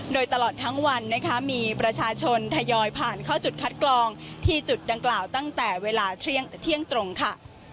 โดยตลอดทั้งวันนะคะมีประชาชนทยอยผ่านเข้าจุดคัดกรองที่จุดดังกล่าวตั้งแต่เวลาเที่ยงตรงค่ะ